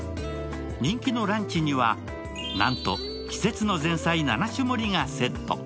人気のランチには、なんと季節の前菜７種盛りをセット。